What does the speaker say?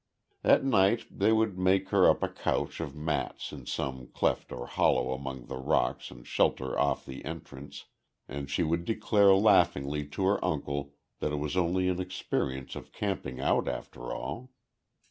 At night they would make her up a couch of mats in some cleft or hollow among the rocks and shelter off the entrance, and she would declare laughingly to her uncle that it was only an experience of camping out, after all.